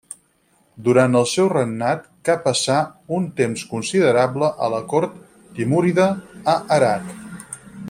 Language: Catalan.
Durant el seu regnat ca passar un temps considerable a la cort timúrida a Herat.